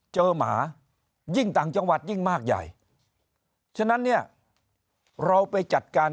หมายิ่งต่างจังหวัดยิ่งมากใหญ่ฉะนั้นเนี่ยเราไปจัดการ